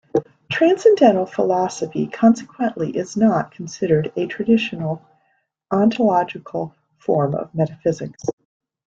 Transcendental philosophy, consequently, is not considered a traditional ontological form of metaphysics.